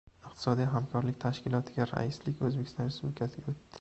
Iqtisodiy hamkorlik tashkilotiga raislik O‘zbekiston Respublikasiga o‘tdi